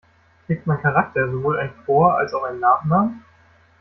Trägt mein Charakter sowohl einen Vor- als auch einen Nachnamen?